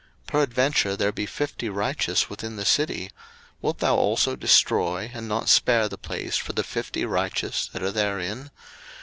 01:018:024 Peradventure there be fifty righteous within the city: wilt thou also destroy and not spare the place for the fifty righteous that are therein?